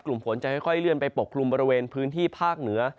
กลุ่มฝนจะค่อยเลื่อนไปปกกลุ่มบริเวณพื้นที่ภาคเหนือ